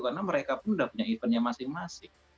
karena mereka pun udah punya eventnya masing masing